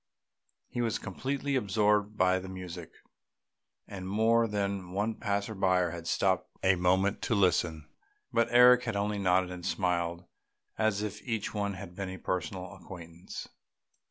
He was completely absorbed by the music, and more than one passer by had stopped a moment to listen; but Eric had only nodded and smiled as if each one had been a personal acquaintance.